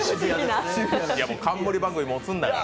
冠番組、持つなら。